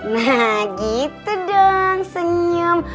nah gitu dong senyum